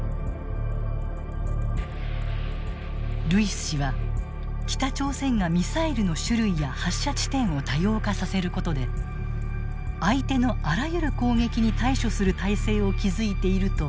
ルイス氏は北朝鮮がミサイルの種類や発射地点を多様化させることで相手のあらゆる攻撃に対処する態勢を築いていると分析する。